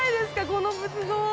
この仏像。